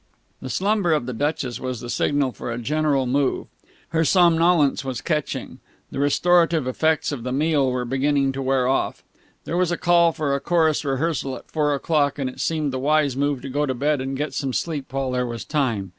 The slumber of the Duchess was the signal for a general move. Her somnolence was catching. The restorative effects of the meal were beginning to wear off. There was a call for a chorus rehearsal at four o'clock, and it seemed the wise move to go to bed and get some sleep while there was time.